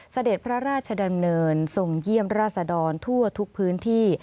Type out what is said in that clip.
เสด็จพระราชดำเนินทรงเยี่ยมราษดรทั่วทุกพื้นที่